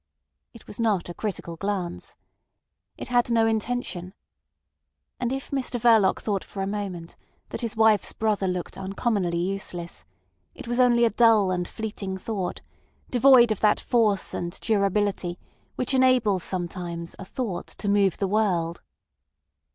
It was not a critical glance. It had no intention. And if Mr Verloc thought for a moment that his wife's brother looked uncommonly useless, it was only a dull and fleeting thought, devoid of that force and durability which enables sometimes a thought to move the world.